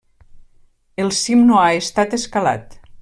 El cim no ha estat escalat.